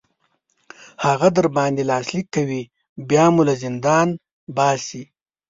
هغه در باندې لاسلیک کوي بیا مو له زندان باسي.